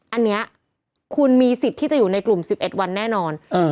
อันนี้คุณมีสิทธิ์ที่จะอยู่ในกลุ่ม๑๑วันแน่นอน